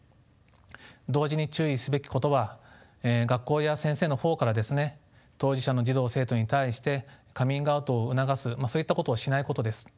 同時に注意すべきことは学校や先生の方からですね当事者の児童・生徒に対してカミングアウトを促すそういったことをしないことです。